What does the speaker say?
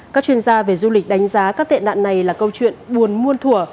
các chuyên gia về du lịch đánh giá các tệ nạn này là câu chuyện buồn muôn thủa